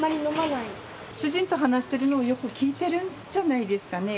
主人と話しているのをよく聞いてるんじゃないですかね。